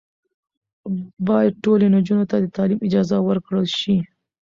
باید ټولو نجونو ته د تعلیم اجازه ورکړل شي.